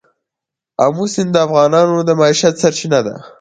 آمو سیند د افغانانو د معیشت سرچینه ده.